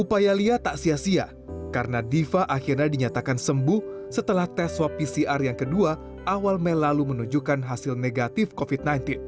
upaya lia tak sia sia karena diva akhirnya dinyatakan sembuh setelah tes swab pcr yang kedua awal mei lalu menunjukkan hasil negatif covid sembilan belas